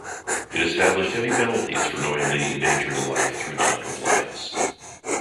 It established heavy penalties for knowingly endangering life through noncompliance.